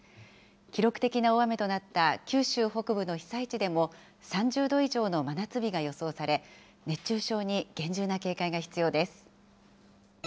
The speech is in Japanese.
記録的な大雨となった九州北部の被災地でも３０度以上の真夏日が予想され、熱中症に厳重な警戒が必要です。